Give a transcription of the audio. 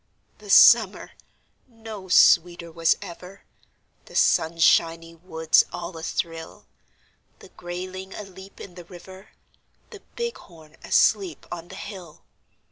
The summer no sweeter was ever; The sunshiny woods all athrill; The grayling aleap in the river, The bighorn asleep on the hill.